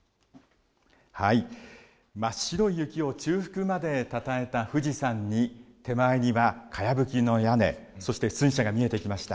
真っ白い雪を中腹までたたえた富士山に、手前にはかやぶきの屋根、そして水車が見えてきました。